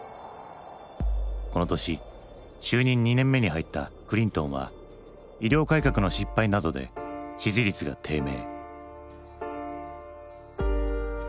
この年就任２年目に入ったクリントンは医療改革の失敗などで支持率が低迷。